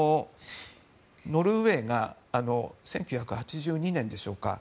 ノルウェーが１９８２年でしょうか